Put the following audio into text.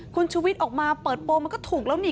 คุณชุวิตออกมาเปิดโปรงมันก็ถูกแล้วนี่